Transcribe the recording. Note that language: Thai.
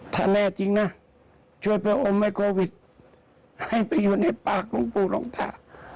ถ้าแน่จริงนะช่วยไปอมให้โควิดให้ไปอยู่ในปากหลวงปู่หลวงตา